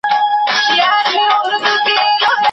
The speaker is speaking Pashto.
زه مي په سجده کي مخ پر لوري د خپل یار ښه یم